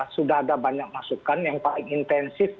sudah ada banyak masukan yang paling intensif